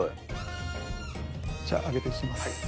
じゃあ揚げて行きます。